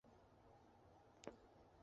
救军粮